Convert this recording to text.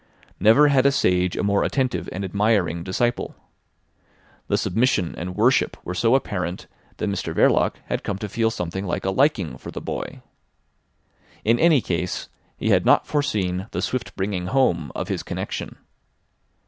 Never had a sage a more attentive and admiring disciple. The submission and worship were so apparent that Mr Verloc had come to feel something like a liking for the boy. In any case, he had not foreseen the swift bringing home of his connection.